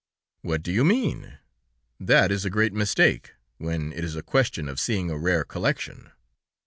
"What do you mean? That is a great mistake, when it is a question of seeing a rare collection!"